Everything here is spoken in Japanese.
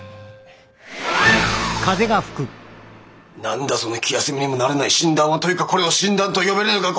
何だその気休めにもならない診断は。というかこれを診断と呼べるのか